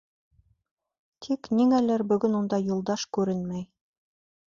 Тик ниңәлер бөгөн унда Юлдаш күренмәй.